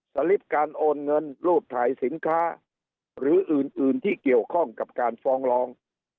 ลิปการโอนเงินรูปถ่ายสินค้าหรืออื่นที่เกี่ยวข้องกับการฟองลอง